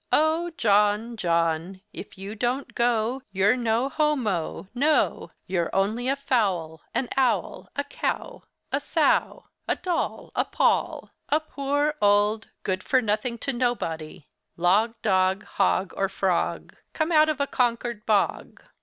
Oh! John, John, if you don't go you're no homo—no! You're only a fowl, an owl; a cow, a sow; a doll, a poll; a poor, old, good for nothing to nobody, log, dog, hog, or frog, come out of a Concord bog.